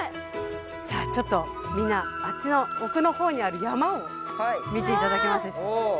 さあちょっとみんなあっちのおくのほうにある山を見ていただけますでしょうか。